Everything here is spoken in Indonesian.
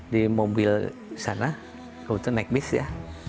di mobil sana kebetulan naik bis ya